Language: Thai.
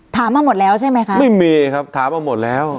มาหมดแล้วใช่ไหมคะไม่มีครับถามมาหมดแล้ว